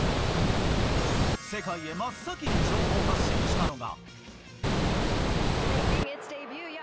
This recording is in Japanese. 世界へ真っ先に情報発信したのが。